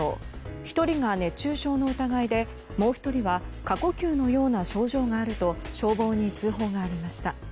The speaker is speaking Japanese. １人が熱中症の疑いでもう１人は過呼吸のような症状があると消防に通報がありました。